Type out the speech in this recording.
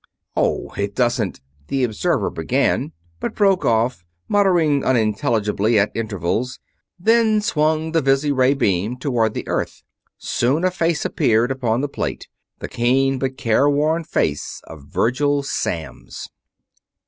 "Oh, it doesn't...." the observer began, but broke off, muttering unintelligibly at intervals; then swung the visiray beam toward the Earth. Soon a face appeared upon the plate; the keen, but careworn face of Virgil Samms!